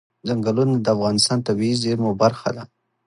ځنګلونه د افغانستان د طبیعي زیرمو برخه ده.